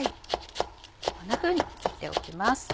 こんなふうに切っておきます。